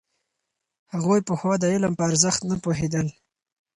هغوی پخوا د علم په ارزښت نه پوهېدل.